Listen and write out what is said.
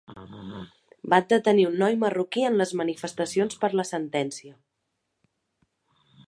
Van detenir un noi marroquí en les manifestacions per la sentència